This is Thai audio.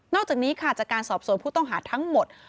อกจากนี้ค่ะจากการสอบสวนผู้ต้องหาทั้งหมด